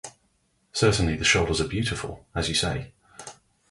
Certainly the shoulders are beautiful, as you say.